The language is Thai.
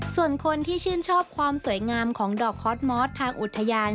ส่วนคนที่ชื่นชอบความสวยงามของดอกฮอตมอสทางอุทยาน